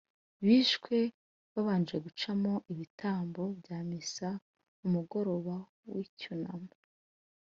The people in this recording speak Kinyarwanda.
bishwe babanje gucamo ibitambo bya misa umugoroba w icyunamo